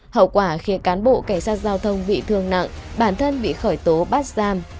hậu quả khiến cán bộ cảnh sát giao thông bị thương nặng bản thân bị khởi tố bắt giam